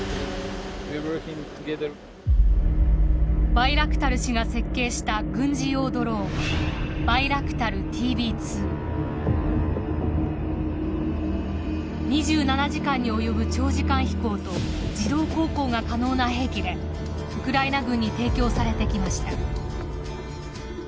バイラクタル氏が設計した２７時間に及ぶ長時間飛行と自動航行が可能な兵器でウクライナ軍に提供されてきました。